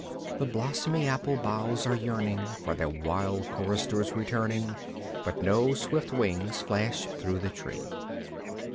The blosmy apple boughs are yearning For their wild choristers' returning, But no swift wings flash through the tree.